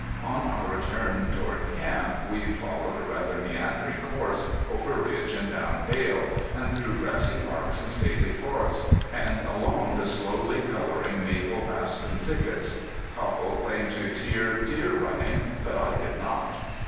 On our return toward camp we followed a rather meandering course, over ridge and down dale, and through grassy parks and stately forests, and along the slowly coloring maple aspen thickets. Copple claimed to hear deer running, but I did not.